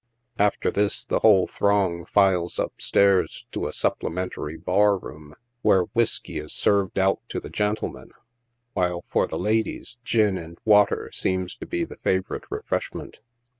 After this, the whole throng files up stairs to a supplementary bar room, where whiskey is served out to the " gentlemen," while for the " ladies," gin and water seems to be the favorite refreshment.